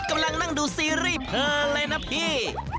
กำลังนั่งดูซีรีส์เพลินเลยนะพี่